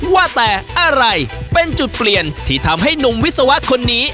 ว่าแต่อะไรเป็นจุดเปลี่ยนที่ทำให้หนุ่มวิศวะคนนี้